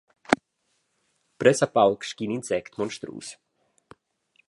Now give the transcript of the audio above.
Pressapauc sc’in insect monstrus.